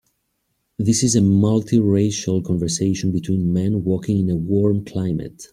This is a multiracial conversation between men walking in a warm climate.